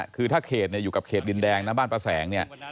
คือถ้าเขตอยู่กับเขตดินแดงนะบ้านป้าแสงเนี่ย